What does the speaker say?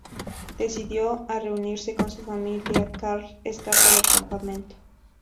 Decidido a reunirse con su familia, Karl escapa del campamento.